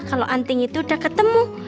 kalau anting itu udah ketemu